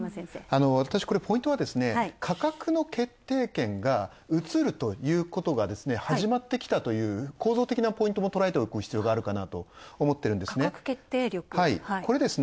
私、これポイントは価格の決定権が移るということが始まってきたという、構造的なポイントを捉える必要あるかなと思ってるんですね。